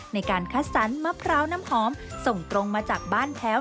ในการคัดสรรมะพร้าวน้ำหอมส่งตรงมาจากบ้านแพ้ว